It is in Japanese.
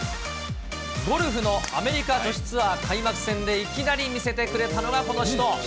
ゴルフのアメリカ女子ツアー開幕戦でいきなり見せてくれたのがこの人。